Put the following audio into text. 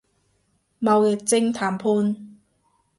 貿易戰談判